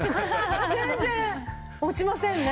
全然落ちませんね。